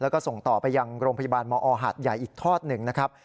แล้วก็ส่งต่อไปยังโรงพยาบาลมอหาดใหญ่อีกทอดหนึ่งนะครับ